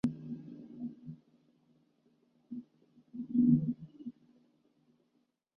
পৃথিবীতে, এর বেশি তাপমাত্রা, সাধারণত মরুভূমিতে থাকে, যেখানে তাপের সম্ভাবনা পৃথিবীতে সবচেয়ে বেশি।